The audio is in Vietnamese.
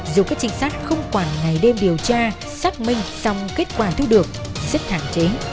dù các trinh sát không quản ngày đêm điều tra xác minh song kết quả thu được rất hạn chế